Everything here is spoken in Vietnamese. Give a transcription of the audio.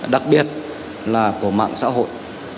đặc biệt là của mạng xã hội